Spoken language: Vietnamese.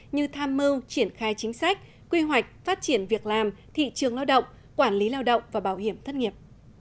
như tham mưu triển khai chính sách quy hoạch phát triển việc làm thị trường lao động quản lý lao động và bảo hiểm thất nghiệp